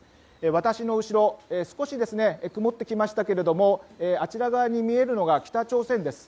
私の後ろ少し曇ってきましたがあちら側に見えるのが北朝鮮です。